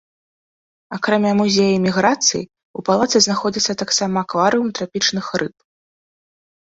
Акрамя музея іміграцыі, у палацы знаходзіцца таксама акварыум трапічных рыб.